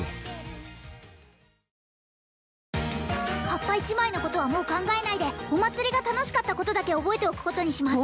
葉っぱ１枚のことはもう考えないでお祭りが楽しかったことだけ覚えておくことにします